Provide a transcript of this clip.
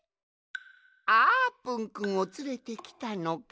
あーぷんくんをつれてきたのかね？